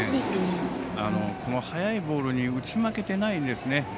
速いボールに打ち負けてないんですね。